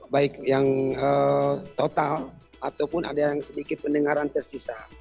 baik yang total ataupun ada yang sedikit pendengaran tersisa